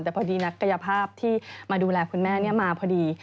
แต่พอดีนักกายภาพที่มาดูแลคุณแม่มาพอดี